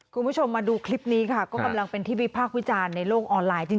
คุณผู้ชมมาดูคลิปนี้ค่ะก็กำลังเป็นที่วิพากษ์วิจารณ์ในโลกออนไลน์จริง